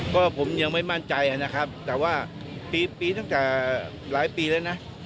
ก็ผมยังไม่มั่นใจนะครับแต่ว่าปีตั้งแต่หลายปีแล้วนะ